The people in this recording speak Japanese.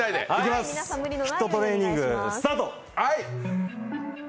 ＨＩＴトレーニング、スタート！